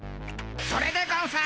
それでゴンス！